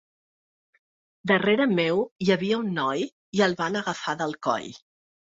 Darrere meu hi havia un noi i el van agafar del coll.